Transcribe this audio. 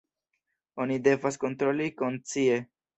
Oni devas kontroli konscie.